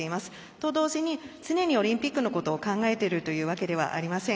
と同時に、常にオリンピックのことを考えているわけではありません。